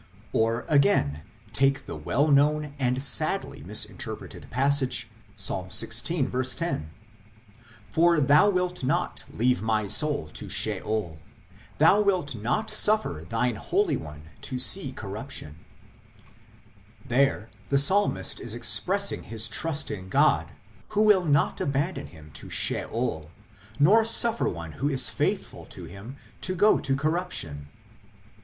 Or, again, take the well known and sadly misinterpreted passage, Ps. xvi. 10 :" For thou wilt not leave my soul to Sheol, thou wilt not suffer thine holy one to see corruption (Shachath) "; there the psalmist is expressing his trust in God who will not abandon him to Sheol, nor suffer one who is faithful to Him to go to corrup tion.